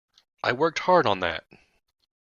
I worked hard on that!